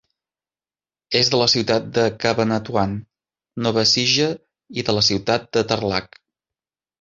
És de la ciutat de Cabanatuan, Nova Ecija i de la ciutat de Tarlac.